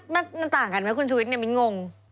มันต่างกันไหมคุณชุวิตไม่งง